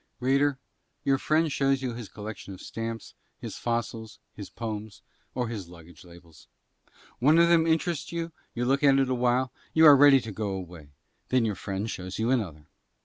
Reader, your friend shows you his collection of stamps, his fossils, his poems, or his luggage labels. One of them interests you, you look at it awhile, you are ready to go away: then your friend shows you another.